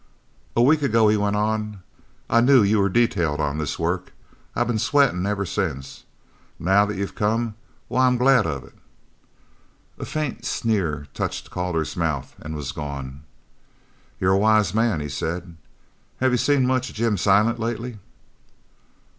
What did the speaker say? "A week ago," he went on, "I knew you were detailed on this work. I've been sweating ever since. Now that you've come why, I'm glad of it!" A faint sneer touched Calder's mouth and was gone. "You're a wise man," he said. "Have you seen much of Jim Silent lately?"